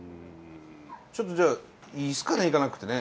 ちょっとじゃあいいっすかね行かなくてね。